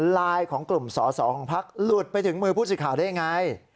ไลน์ของกลุ่มสอสอของพักหลุดไปถึงมือผู้สื่อข่าวได้ยังไง